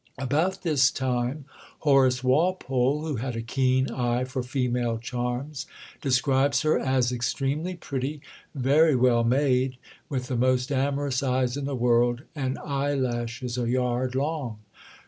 About this time Horace Walpole, who had a keen eye for female charms, describes her as "extremely pretty, very well made, with the most amorous eyes in the world, and eyelashes a yard long.